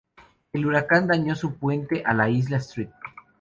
El huracán dañó un puente a la isla St.